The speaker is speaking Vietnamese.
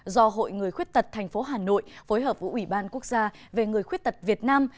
do hội người khuyết tật thành phố hà nội phối hợp với ủy ban quốc gia về người khuyết tật việt nam